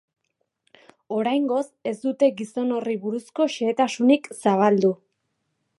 Oraingoz ez dute gizon horri buruzko xehetasunik zabaldu.